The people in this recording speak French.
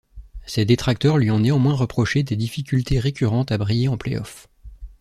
Ses détracteurs lui ont néanmoins reproché des difficultés récurrentes à briller en playoffs.